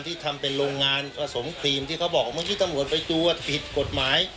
ที่ทำเป็นโรงงานผสมครีมที่เขาบอกเมื่อกี้มันเห็นแต่ตัวผิดกฎหมาย